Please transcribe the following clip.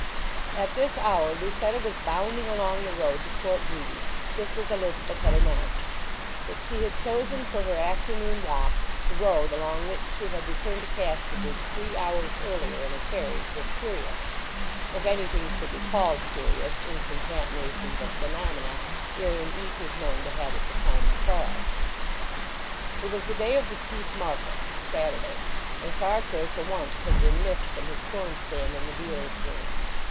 At this hour Lucetta was bounding along the road to Port Bredy just as Elizabeth had announced. That she had chosen for her afternoon walk the road along which she had returned to Casterbridge three hours earlier in a carriage was curious—if anything should be called curious in concatenations of phenomena wherein each is known to have its accounting cause. It was the day of the chief market—Saturday—and Farfrae for once had been missed from his corn stand in the dealers' room.